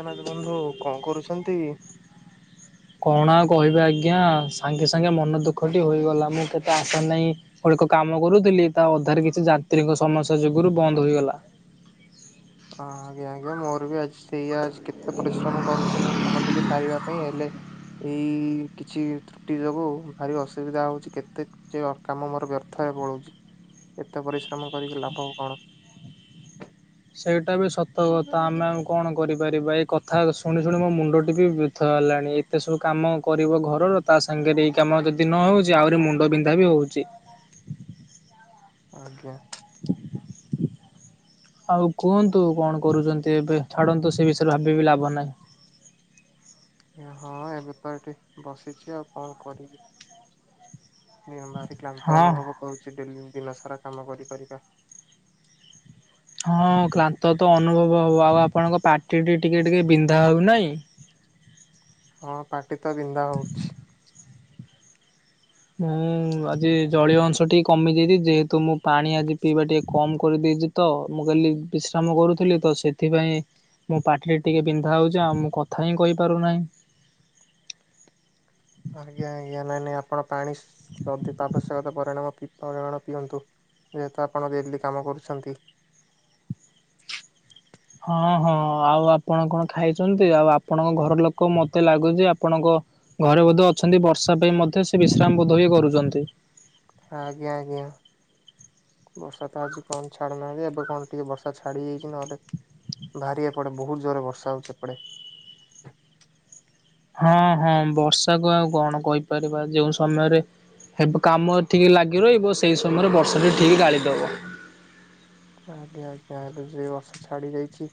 ଜଗନ୍ନାଥ ବନ୍ଧୁ କଣ କରୁଛନ୍ତି? କଣ ଆଉ କହିବି ଆଜ୍ଞା ସାଙ୍ଗେ ସାଙ୍ଗେ ମନ ଦୁଃଖଟି ହୋଇଗଲା ମୁଁ କେତ ଚାଷ ନାହିଁ ଗୁଡିକ କାମ କରୁଥିଲି ତା ଅଧାରେରେ କିଛି ଯାତ୍ରୀଙ୍କ ସମସ୍ୟା ଯୋଗୁରୁ ବନ୍ଦ ହୋଇଗଲା। ହଁ ଆଜ୍ଞା ଆଜ୍ଞା ମୋରବି ଆଜି ସେଇଆ ଅଛି କେତେ ପରିଶ୍ରମ କରୁଛି ମୁଁ। ଆମର ଟିକେ ସାରିବା ପାଇଁ ହେଲେ ଏଇ କିଛି ଛୁଟି ଯୋଗୁ ଭାରି ଅସୁବିଧା ହଉଛି କେତେ ଯେ କାମ ମୋର ବ୍ୟର୍ଥରେ ପଳଉଛି। ଏତେ ପରିଶ୍ରମ କରିକି ଲାଭ ଆଉ କଣ? ସେଇଟାବି ସତକଥା ଆମେ ଆଉ କଣ? କରିପାରିବା ଏ କଥା ଶୁଣି ଶୁଣି ମୋ ମୁଣ୍ଡ ଟିକେ ବ୍ୟଥା ହେଲାଣି ଏତେ ସବୁ କାମ କରିବ ଘରର ତା ସାଙ୍ଗରେ ଏଇ କାମ ଯଦି ନହଉଛି ଆହୁରି ମୁଣ୍ଡ ବିନ୍ଧାବି ହଉଚି। ଆଜ୍ଞା। [inaudible] ଆଉ କୁହନ୍ତୁ କଣ କରୁଚନ୍ତି ଏବେ ଛାଡନ୍ତୁ ସେ ବିଷୟରେ ଭାବିବି ଲାଭନାହିଁ। ହଁ ଏବେତ ଏଠି ବସିଛି ଆଉ କଣ କରିବି? ଦେହ ଭାରି କ୍ଳାନ୍ତ ହଁ ଅନୁଭବ କରୁଛି ଡେଲି ଦିନସାରା କାମ କରି କରିକା। ହଁ କ୍ଲାନ୍ତତ ଅନୁଭବ ହବ ଆଉ ଆପଣଙ୍କ ପାଟିଟି ଟିକେ ଟିକେ ବିନ୍ଧା ହଉନାହିଁ। ହଁ ପାଟିତ ବିନ୍ଧା ହଉଛି। ମୁଁ ଆଜି ଜଳୀୟ ଅଂଶ ଟିକେ କମିଯାଇଛି ଯେହେତୁ ମୁଁ ପାଣି ଆଜି ପିଇବା ଟିକେ କମ କରିଦେଇଚିତ ମୁଁ କାଲି ବିଶ୍ରାମ କରୁଥିଲି ତ ସେଥିପାଇଁ ମୋ ପାଟିରେ ଟିକେ ବିନ୍ଧା ହଉଛି ଆଉ ମୁଁ କଥାହିଁ କହିପାରୁନାହିଁ। ଆଜ୍ଞା ଆଜ୍ଞା ନାଇଁ ନାଇଁ ଆପଣ ପାଣି ସ ଯଦି ଆବଶ୍ୟକତା ପରିଣାମ ପରିମାଣ ପିଅନ୍ତୁ। ଯେହେତୁ ଆପଣ ଡେଲି କାମ କରୁଛନ୍ତି। ହଁ ହଁ ଆଉ ଆପଣ କଣ ଖାଇଚନ୍ତି ଆଉ ଆପଣଙ୍କ ଘର ଲୋକ ମତେ ଲାଗୁଛି ଆପଣଙ୍କ ଘରେ ବୋଧେ ଅଛନ୍ତି ବର୍ଷା ପାଇଁ ମଧ୍ୟ ସେ ବିଶ୍ରାମ ବୋଧଏ କରୁଛନ୍ତି। ଆଜ୍ଞା ଆଜ୍ଞା ବର୍ଷାତ ଆଜି କଣ ଛାଡୁ ନାହାନ୍ତି ଏବେ କଣ ଟିକେ ବର୍ଷା ଛାଡି ଯାଇଛି ନହେଲେ ବାହାରିିବାପେ ବହୁତ ଜୋରରେ ବର୍ଷା ହଉଛି ଏପଟେ ହଁ ହଁ ବର୍ଷାକୁ ଆଉ କଣ କହିପାରିବା ଯୋଉଁ ସମୟରେ ହେବ କାମ ଠିକ ଲାଗିରହିବ ସେହି ସମୟରେ ବର୍ଷାଟି ଠିକ ଗାଳିଦବ। ଆଜ୍ଞା ଆଜ୍ଞା ଏବେଯେ ବର୍ଷ ଛାଡି ଯାଇଛି।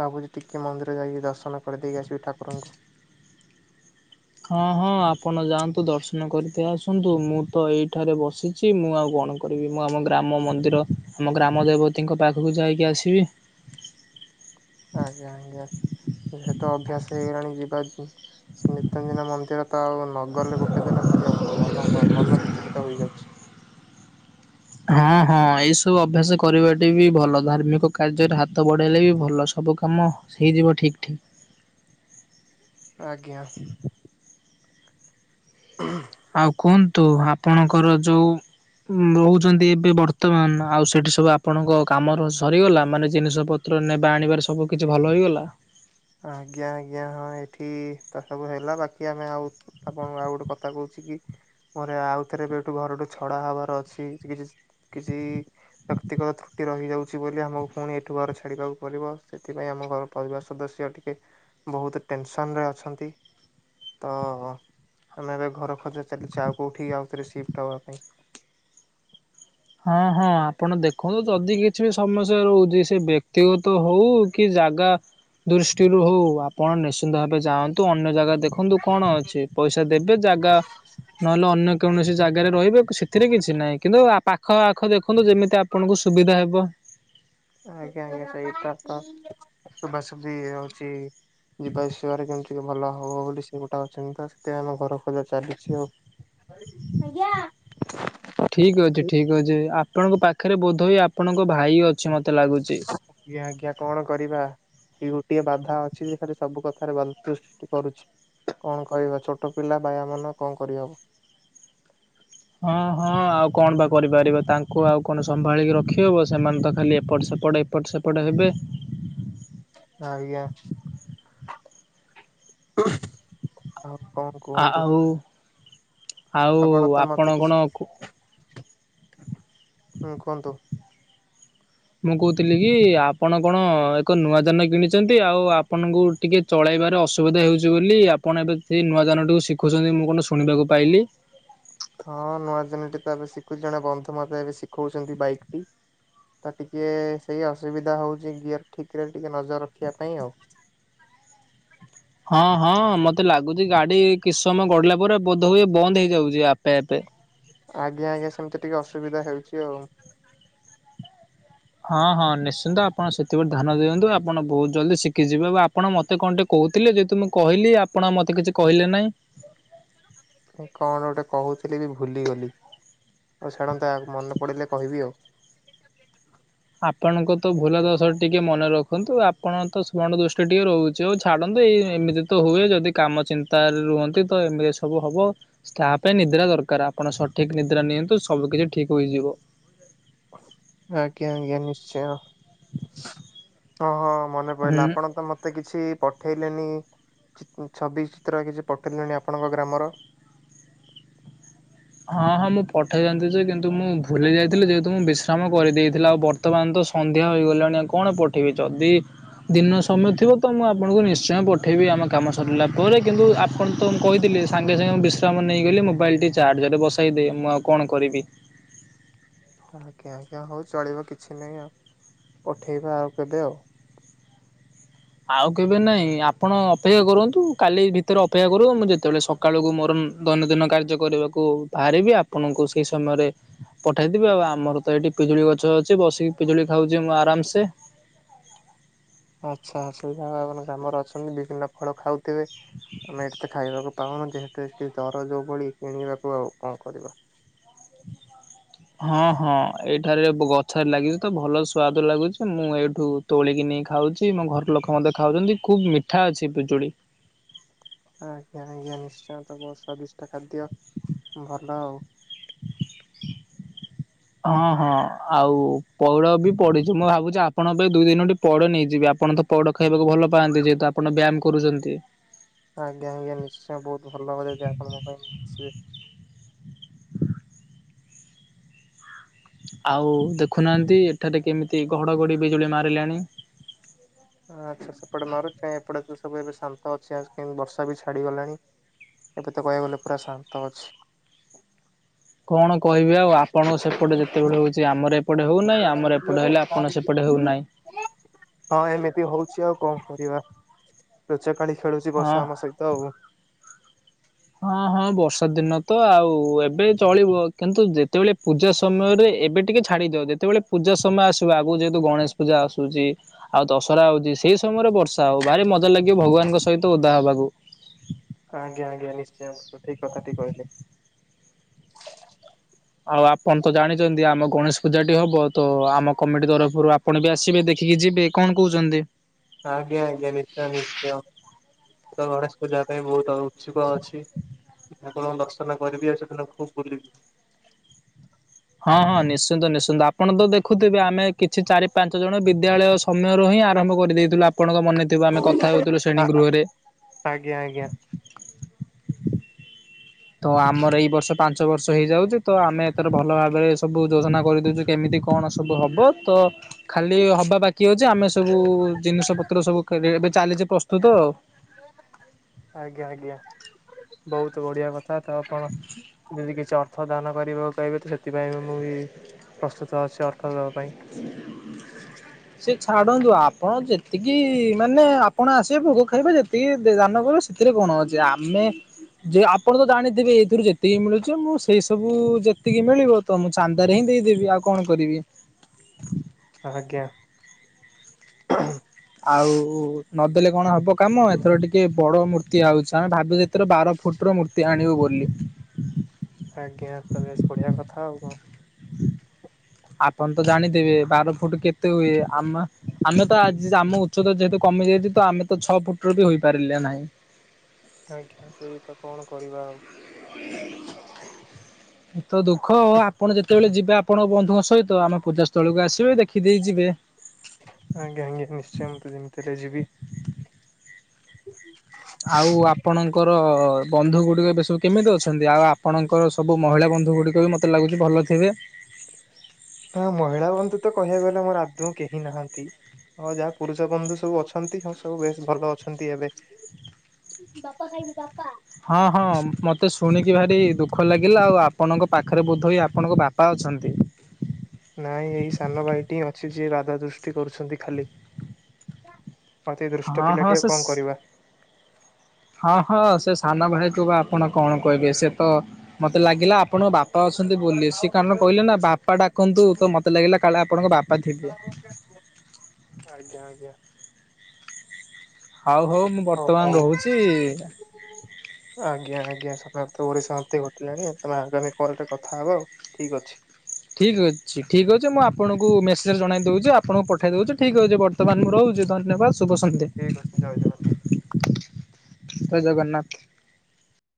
ଭାବୁଚି ଟିକେ ମନ୍ଦିର ଯାଇକି ଦର୍ଶନ କରିଦେଇକି ଆସିବି ଠାକୁରଙ୍କୁ। ହଁ ହଁ ଆପଣ ଯାଆନ୍ତୁ ଦର୍ଶନ କରିକି ଆସନ୍ତୁ ମୁଁତ ଏଇଠାରେ ବସି ଛି ମୁଁ ଆଉ କଣ କରିବି ମୁଁ ଆମ ଗ୍ରାମମନ୍ଦିର ଆମ ଗ୍ରାମ ଦେବତୀଙ୍କ ପାଖକୁ ଯାଇକି ଆସିବି। ଆଜ୍ଞା ଆଜ୍ଞା ଯେହେତୁ ଅଭ୍ୟାସ ହେଇଗଲାଣି ଯିବାକୁଗ ନିତ୍ୟଦିନ ମନ୍ଦିର। ତ ଆଉ ନଗଲେ ଗୋଟେ ଦିନ ଭାରି ମନ ମନ ବିଚଳିତ ହେଇଯାଉଛି। ହଁ ହଁ ଏଇସବୁ ଅଭ୍ୟାସ କରିବାଟିବି ଭଲ ଧାର୍ମିକ କାର୍ଯ୍ୟରେ ହାତ ବଢେଇଲେବି ଭଲ ସବୁକାମ। ସେଇଯିବ ଠିକ୍ ଠିକ୍। ଆଜ୍ଞା। ଆଉ କୁହନ୍ତୁ ଆପଣଙ୍କର ଯୋଉ ଉ ରହୁଚନ୍ତି ଏବେ ବର୍ତ୍ତମାନ ଆଉ ସେଠି ସବୁ ଆପଣଙ୍କ କାମର ସରିଗଲା ମାନେ ଜିନିଷ ପ ପତ୍ର ନେବା ଆଣିବାରେ ସବୁ କିିଛି ଭଲ ହୋଇଗଲା? ଆଜ୍ଞା ଆଜ୍ଞା ହଁ ଏଠି ତସବୁ ହେଲା ବାକି ଆମେ ଆଉ ଆପଣ ଆଉ ଗୋଟେ କଥା କହୁଚିକି ମୋରେ ଆଉ ଥରେବି ଏଠୁ ଘରଠୁ ଛଡ଼ା ହବାର ଅଛି କିଛି କିଛି ବ୍ୟକ୍ତିଗତ ରହିଯାଉଛି ବୋଲି ଆମକୁ ପୁଣି ଏଠୁ ଘାର ଛାଡ଼ିବାକୁ ପଡ଼ିବ ସେଥିପାଇଁ ଆମ ଘର ପରିବାର ସଦସ୍ୟ ସେ ଟିକେ ବହୁତ୍ ଟେନସନରେ ଅଛନ୍ତି। ତ ଆମେ ଏବେ ଘର ଖୋଜା ଚାଲିଚି ଆଉ କେଉଁଠି ଆଉଥରେ ସିଫ୍ଟ ହବା ପାଇଁ। ହଁ ହଁ ଆପଣ ଦେଖନ୍ତୁ ଯଦି କିଛିବି ସମସ୍ୟା ରହୁଚି ସେବ୍ୟକ୍ତିଗତ ହଉ କିଜାଗା ଦୃଷ୍ଟିରୁ ହଉ ଆପଣ ନିଶ୍ଚିନ୍ତ ଭାବେ ଯାଆନ୍ତୁ ଅନ୍ୟ ଜାଗା ଦେଖନ୍ତୁ କଣ ଅଛି ପଇସା ଦେବେ ଜାଗା ନହେଲେ ଅନ୍ୟ କୌଣସି ଜାଗାରେ ରହିବେ ସେ ଏଥିରେ କିଛି ନାହିଁ କିନ୍ତୁ ପାଖ ଆଖ ଦେଖନ୍ତୁ ଯେମିତି ଆପଣଙ୍କୁ ସୁବିଧା ହେବ। ଆଜ୍ଞା ଆଜ୍ଞା ସେଇଟ ତବାସବି ହଉଚି ଯିବା ଆସିବାରେ କେମିତି ଟିକେ ଭଲ ହବ ବୋଲି ସେଗୋଟେ ଅଚିନ୍ତା ତସେଥିପାଇଁ ଆମ ଘର ଖୋଜା ଚାଲିଚି ଆଉ ଆଜ୍ଞା। ଠିକ୍ ଅଛି ଠିକ୍ ଅଛି ଆପଣଙ୍କ ପାଖରେ ବୋଧୋହୁଏ ଆପଣଙ୍କ ଭାଇ ଅଛି ମତେ ଲାଗୁଚି? ଆଜ୍ଞା କଣ କରିବା। ସିଏ ଗୋଟିଏ ବାଧା ଅଛି ଖାଲି ସବୁ କଥାରେ ବାଧତ୍ୟ ସୃଷ୍ଟି କରୁଛି। କଣ କହିବା ଛୋଟ ପିଲା ବାୟା ମନ କଣ କରିହବ। ହଁ ହଁ ଆଉ କଣବା କରିପାରିବା ତାଙ୍କୁ ଆଉ କଣ ସମ୍ଭାଳିକି ରଖି ହବ ସେମାନେତ ଖାଲି ଏପଟ ସେପଟ ଏପ ଏପଟ ସେପଟ ହେବେ। ଆଜ୍ଞା। ଆଉ କଣ କୁହନ୍ତୁ? ଆଉ ଆଉ ଆପଣତ ମତେ ଆପଣ କଣ କିଛି [unintelligible] ହୁଁ କୁହନ୍ତୁ। ମୁଁ କହୁଥିଲିକି ଆପଣ କଣ ଏକ ନୂଆ ଯାନ କିଣିଚନ୍ତି ଆଉ ଆପଣଙ୍କୁ ଟିକେ ଚଳେଇବାରେ ଅସୁବିଧା ହେଉଚି ବୋଲି ଆପଣ ଏବେ ସେନୂଆ ଯାନଟିକୁ ଶିଖୁଛନ୍ତି ମୁଁ କଣ ଶୁଣିବାକୁ ପାଇଲି? ହଁ ନୂଆ ଜାନଟିତ ଏବେ ଶିଖୁଚି ଜଣେ ବନ୍ଧୁ ମତେ ଏବେ ଶିଖଉଚନ୍ତି ବାଇକ୍ ଟି। ତ ଟିକେ ସେଇ ଅସୁବିଧା ହଉଚି ଗିୟର ଠିକରେ ଟିକେ ନଜର ରଖିବା ପାଇଁ ଆଉ। ହଁ ହଁ ମତେ ଲାଗୁଚି ଗାଡ଼ି କିଛି ସମୟ ଗଡିଲା ପରେ ବୋଧହୁଏ ବନ୍ଦ ହେଇଯାଉଚି ଆପେ ଆପେ। ଆଜ୍ଞା ଆଜ୍ଞା ସେମିତି ଟିକେ ଅସୁବିଧା ହେଉଚି ଆଉ। ହଁ ହଁ ନିଶ୍ଚିନ୍ତ ଆପଣ ସେଥିପତି ଧ୍ୟାନ ଦିଅନ୍ତୁ ଆପଣ ବହୁତ୍ ଜଲ୍ଦି ସିଖିଯିବେ ବା ଆପଣ ମତେ କଣ ଟିକେ କହୁଥିଲେ ଯେହେତୁ ମୁଁ କହିଲି ଆପଣ ମୋତେ କିଛି କହିଲେ ନାହିଁ। ମୁଁ କଣ ଗୋଟେ କହୁଥିଲିବି ଭୁଲିଗଲି। ହଉ ଛାଡ଼ନ୍ତୁ ମନେ ପଡ଼ିଲେ କହିବି ଆଉ। ଆପଣଙ୍କତ ଭୁଲା ଦୋଷ ଟିକେ ମନେ ରଖନ୍ତୁ ଆପଣଙ୍କତ ସ୍ମରଣ ଦୃଷ୍ଟି ଟିକେ ରହୁ ଯଉ ଛାଡ଼ନ୍ତୁ ଏଇ ଏମିତିତ ହୁଏ ଯଦି କାମ ଚିନ୍ତାରେ ରୁହନ୍ତି ତଏମିତି ସବୁ ହବ। ତା ପାଇଁ ନିଦ୍ରା ଦରକାର୍ ଆପଣ ସଠିକ୍ ନିଦ୍ରା ନିଅନ୍ତୁ ସବୁ କିଛି ଠିକ୍ ହୋଇଯିବ। ଆଜ୍ଞା ଆଜ୍ଞା ନିଶ୍ଚୟ ହଁ ହଁ ମନେ ହୁଁ ପଇଲା ଆପଣତ ମତେ ମତେ କିଛି ପଠେଇଲେନି ଛବି ଚିତ୍ର କିଛି ପଠେଇଲେନି ଆପଣଙ୍କ ଗ୍ରାମର? ହଁ ହଁ ମୁଁ ପଠେଇ ଦିଅନ୍ତିଯେ କିନ୍ତୁ ମୁଁ ଭୁଲି ଯାଇଥିଲି ଯେହେତୁ ମୁଁ ବିଶ୍ରାମ କରିଦେଇଥିଲି ଆଉ ପଠେ ବର୍ତ୍ତମାନତ ସନ୍ଧ୍ୟା ହୋଇଗଲାଣି ଆଁ କଣ ପଠେଇିବି ଯଦି ଦିନ ସମୟ ଥିବ ତ ମୁଁ ଆପଣଙ୍କୁ ନିଶ୍ଚୟ ପଠେଇବି ଆମ କାମ ସରିଲା ପରେ କିନ୍ତୁ ଆପଣ ତାଙ୍କୁ କହିଥିଲି। ସାଙ୍ଗେ ସାଙ୍ଗେ ମୁଁ ବିଶ୍ରାମ ନେଇଗଲି ମୋବାଇଲଟି ଚାର୍ଜରେ ବସାଇଦିଏ ମୁଁ ଆଉ କଣ କରିବି। ଆଜ୍ଞା ଆଜ୍ଞା ହଉ ଚଳିବ କିଛି ନାହିଁ ଆଉ ପଠେଇବେ ଆଉ କେବେ ଆଉ। ଆଉ କେବେ ନାହିଁ ଆପଣ ଅପେକ୍ଷା କରନ୍ତୁ କାଲି ଭିତରେ ଅପେକ୍ଷା କରୁନ୍ତୁ ମୁଁ ଯେତେବେଳେ ସ ସକାଳକୁ ମୋର ଦୈନନ୍ଦିନ କାର୍ଯ୍ୟ କରିବାକୁ ବାହାରିବି ଆପଣଙ୍କୁ ସେଇ ସମୟରେ। ପଠେଇଦେବି ଆଉ ଆମର ତ ଏଇଠି ପିଜୁଳି ଗଛ ଅଛି ବସିକି ପିଜୁଳି ଖାଉଛି ମୁଁ ଆରାମସେ। ଆଚ୍ଛା ସେ ଆପଣ ଗ୍ରାମରେ ଅଛନ୍ତି ବିଭିନ୍ନ ଫଳ ଖାଉଥିବେ। ଆମେ ଏଠି ତ ଖାଇବାକୁ ପାଉନୁ ଯେହେତୁ ଏଠି ଦର ଯୋଉ ଭଳି କିଣିବାକୁ ଆଉ କଣ କରିବା। ହଁ ହଁ ଏଇଠାରେ ଗଛରେ ଲାଗିଛି ତ ଭଲ ସୁଆଦ ଲାଗୁଛି ମୁଁ ଏଇ ଏଇଠୁ ତୋଳିକି ନେଇ ଖାଉଛି ମୋ ଘର ଲୋକ ମଧ୍ୟ ଖାଉଛନ୍ତି ଖୁବ ମିଠା ଅଛି ପିଜୁଳି। ଆଜ୍ଞା ଆଜ୍ଞା ନିଶ୍ଚୟ ତ ବହୁତ୍ ସ୍ଵାଦିଷ୍ଟ ଖାଦ୍ୟ ଭଲ ଆଉ। ହଁ ହଁ ଆଉ ପଇଡ଼ ବି ପଢିଚି ମୁଁ ଭାବୁଛି ଆପଣଙ୍କ ପାଇଁ ଦୁଇ ତିନୋଟି ପଇଡ଼ ନେଇଯିବି ଆପଣ ତ ପଇଡ଼ ଖାଇବାକୁ ଭଲ ପାଆନ୍ତି ଯେହେତୁ ଆପଣ ବ୍ୟାୟାମ କରୁଛନ୍ତି। ଆଜ୍ଞା ଆଜ୍ଞା ନିଶ୍ଚୟ ବହୁତ ଭଲ ହବ ଯଦି ଆପଣ ମୋପାଇଁ ଆସିବେ। ଆଉ ଦେଖୁନାହାଁନ୍ତି ଏଠାରେ କେମିତି ଘଡ଼ଘଡ଼ି ବିଜୁଳି ମାରିଲାଣି। ଆଚ୍ଛା ସେପଟେ ମାରୁଛି ଏପଟେ ତ ସବୁ ଏବେ ଶାନ୍ତ ଅଛି ଆଜି ବର୍ଷା ବି ଛାଡିଗଲାଣି। ଏବେ ତ କହିବାକୁ ଗଲେ ପୁରା ଶାନ୍ତ ଅଛି। କଣ କହିବି ଆଉ। ଆପଣଙ୍କ ସେପଟେ ଯେତେବେଳେ ହଉଛି ଆମର ଏପଟେ ହଉନାହିଁ ମୋବାଇଲ ଟା ଆମର ଦେଖିବୁ ଏପଟେ ହେଲେ ଆପଣ ସେପଟେ ଇଆଡେ। ହଉନାହିଁ। ହଁ ଏମିତି ହଉଛି ଆଉ କଣ କରିବା। ଲୁଚକାଳୀ ଖେଳୁଛି ହଁ। ବର୍ଷା ଆମ ସହିତ ଆଉ। ହଁ ହଁ ବର୍ଷା ଦିନ ତ ଆଉ ଏବେ ଚଳିବ। କିନ୍ତୁ ଯେତେବେଳେ ପୂଜା ସମୟରେ ଏବେ ଟିକେ ଛାଡି ଦିଅ ଯେତେବେଳେ ପୂଜା ସମୟ ଆସିବ। ଆଗକୁ ଯେହେତୁ ଗଣେଶ ପୂଜା ଆସୁଛି ଆଉ ଦଶହରା ଆଉଛି ସେଇ ସମୟରେ ବ ବର୍ଷା ହଉ ଭାରି ମଜା ଲାଗିବ ଭଗବାନଙ୍କ ସହିତ ଓଦା ହବାକୁ। ଆଜ୍ଞା ଆଜ୍ଞା ନିଶ୍ଚୟ ଠିକ କଥାଟି କହିଲେ। ଆଉ ଆପଣ ତ ଜାଣିଛନ୍ତି ଆମ ଗଣେଶ ପୂଜାଟି ହବ। ତ ଆମ କମିଟି ତରଫରୁ ଆପଣ ବି ଆସିବେ ଦେଖିକି ଯିବେ କଣ କହୁଛନ୍ତି? ଆଜ୍ଞା ଆଜ୍ଞା ନିଶ୍ଚୟ ନିଶ୍ଚୟ। ତ ଗଣେଶ ପୂଜା ପାଇଁ ତ ବହୁତ ଉତ୍ସୁକ ଅଛି। ଠାକୁରଙ୍କ ଦର୍ଶନ କରିବି ଆଉ ସେଦିନ ଖୁବ ବୁଲିବି। ହଁ ହଁ ନିଶ୍ଚିନ୍ତ ନିଶ୍ଚିନ୍ତ ଆପଣ ତ ଦେଖୁଥିବେ ଆମେ କିଛି ଚାରି ପାଞ୍ଚ ଜଣ ବିଦ୍ୟାଳୟ। ସମୟରୁ ହିଁ ଆରମ୍ଭ କରିଦେଇଥିଲୁ ଆପଣଙ୍କର ମନେ ଥିବ ଆମେ କଥା ହେଉଥିଲୁ ଶ୍ରେଣୀ ଗୃହରେ। ଆଜ୍ଞା ଆଜ୍ଞା। ତ ଆମର ଏଇ ବର୍ଷ ପାଞ୍ଚ ବର୍ଷ ହେଇଯାଉଛି ତ ଆମେ ଏଥର ଭଲ ଭାବରେ ସବୁ ଯୋଜନା କରିଦଉଛୁ। କେମିତି କଣ ସବୁ ହବ ତ ଖାଲି ହବା ବାକି ବାକି ଅଛି ଆମେ ସବୁ ଜିନିଷ ପତ୍ର ସବୁ ଏବେ ଚାଲିଛି ପ୍ରସ୍ତୁତ ଆଉ ଆଜ୍ଞା ଆଜ୍ଞା ବହୁତ ବଢିଆ କଥା ତ ଆପଣ ଯଦି କିଛି ଅ ଅର୍ଥ ଦାନ କରିବାକୁ କହିବେ ତ ସେଥିପାଇଁ ବି ମୁଁ ବି ପ୍ରସ୍ତୁତ ଅଛି ଅର୍ଥ ପାଇଁ। ସେ ଛାଡନ୍ତୁ ଆପଣ ଯେତିକି ମାନେ ଆପଣ ଆସିବେ ଭୋଗ ଖାଇବେ ଯେତିକି ଦାନ କରିବେ। ସେଥିରେ କଣ ଅଛି ଆମେ ଯେ ଆପଣ ତ ଜାଣିଥିବେ ଏଇଥିରୁ ଯେ ଏତିକି ମିଳୁଛି ମୁଁ ସେଇ ସବୁ ଯେତିକି ମିଳିବ ତ ମୁଁ ଚାନ୍ଦାରେ ହିଁ ଦେଇଦେବି ଆଉ କଣ କରିବି। ଆଜ୍ଞା। ଆଉ ନଦେଲେ କଣ ହବ କାମ ଏଥର ଟିକେ ବଡ ମୂର୍ତ୍ତି ଆଉଛି। ତ ଆମେ ଭାବୁଛୁ ଏଥର ବାର ଫୁଟର ମୂର୍ତ୍ତି ଆଣିବୁ ବୋଲି। ଆଜ୍ଞା ତ ବେଶ ବଢିଆ କଥା ଆଉ କଣ। ଆପଣ ତ ଜାଣିଥିବେ ବାର ଫୁଟ କେତେ ହୁଏ ଆମ ଆମେ ତ ଆଜି ଆମ ଉଚ୍ଚତା ଯେହେତୁ କମି ଯାଇଛି ତ ଆମେ ତ ଛଅ ଫୁଟର ବି ହୋଇପାରିଲେ ନାହିଁ। ଆଜ୍ଞା ସେଇ ତ କଣ କରିବା ଆଉ। [inaudible] [inaudible] ଏଇତ ଦୁଃଖ ଆପଣ ଯେତେବେଳେ ଯିବେ ଆପଣଙ୍କ ବନ୍ଧୁଙ୍କ ସହିତ ଆମେ ପୂଜା ସ୍ଥଳକୁ ଆସିବେ ଦେଖିଦେଇ ଯିବେ। ଆଜ୍ଞା ଆଜ୍ଞା ନିଶ୍ଚୟ ମୁଁ ତ ଯେମିତି ହେଲେ ଯିବି। ଆଉ ଆପଣଙ୍କର ବନ୍ଧୁ ଗୁଡିକ ଏବେ ସବୁ କେମିତି ଅଛନ୍ତି ଆଉ ଆପଣଙ୍କର ସବୁ ମହିଳା ବନ୍ଧୁ ଗୁଡ଼ିକ ବି ମୋତେ ଲାଗୁଛି ଭଲଥିବେ। ନା ମହିଳା ବନ୍ଧୁ ତ କହିବାକୁ ଗଲା ମୋର ଆଦୌ କେହି ନାହାନ୍ତି। ହଁ ଯାହା ପୁରୁଷ ବନ୍ଧୁ ସବୁ ଅଛନ୍ତି ହଁ ସବୁ ବେଶ ଭଲ ଅଛନ୍ତି ଏବେ। ବାପା ଖାଇବି ବାପା। ହଁ ହଁ ମତେ ଶୁଣିକି ଭାରି ଦୁଃଖ ଲାଗିଲା ଆଉ ଆପଣଙ୍କ ପାଖରେ ବୋଧ ହୁଏ ଆପଣଙ୍କ ବାପା ଅଛନ୍ତି। ନାଇଁ ଏଇ ସାନ ଭାଇଟିଁ ଅଛି ଯିଏ ବାଧା ସୃଷ୍ଟି କରୁଛନ୍ତି ଖାଲି। ଅତି ଦୃଷ୍ଟ ହଁ ପିଲା ହଁ ଟିଏ ସେ କଣ କରିବା। ହଁ ହଁ ସେ ସାନ ଭାଇକୁ ବା ଆପଣ କଣ କହିବେ ସେ ତ ମତେ ଲାଗିଲା ଆପଣଙ୍କ ବାପା ଅଛନ୍ତି ବୋଲି ସେ କାରଣ କହିଲେ ନା ବାପା ଡାକନ୍ତୁ ତ ମତେ ଲାଗିଲା କାଳେ ଆପଣଙ୍କ ବା ପା ଥିବେ। ଆଜ୍ଞା ଆଜ୍ଞା। ହଉ ହଉ ମୁଁ ବର୍ତ୍ତମାନ ରହୁଛି। ଆଜ୍ଞା ଆଜ୍ଞା ସକାଳ ତ ଓଡିଶାନ୍ତି ଘଟିଲାଣି ତମେ ଆଗାମୀ କଲରେ କଥା ହବା ଆଉ ଠିକ ଅଛି। ଠିକ୍ ଅଛି ଠିକ୍ ଅଛି ମୁଁ ଆପଣଙ୍କୁ ମେସେଜ୍ ଜଣାଇ ଦେଉଛି ଆପଣଙ୍କୁ ପଠାଇ ଦେଉଛି ଠିକ୍ ଅଛି ବ ବର୍ତ୍ତମାନ ମୁଁ ରହୁଛି ଧନ୍ୟବାଦ ଶୁଭ ସନ୍ଧ୍ୟା। ଠିକ୍ ଅଛି ଜୟ ଜଗନ୍ନାଥ। ଜୟ ଜଗନ୍ନାଥ।